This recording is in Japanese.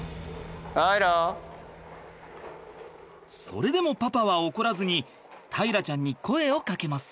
それでもパパは怒らずに大樂ちゃんに声をかけます。